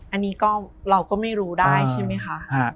อันนี้ก็เราก็ไม่รู้ได้ใช่ไหมคะ